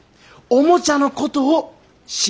おもちゃのことを？